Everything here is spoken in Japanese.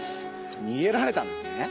逃げられたんですね？